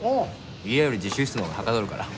家より自習室のほうがはかどるから。